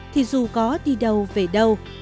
thì dù có đi đâu về đâu